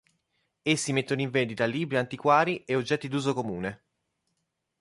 Essi mettono in vendita libri antiquari e oggetti d'uso comune.